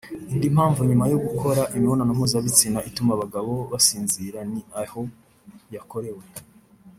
Indi mpamvu nyuma yo gukora imibonano mpuzabitsina ituma abagabo basinzira ni aho yakorewe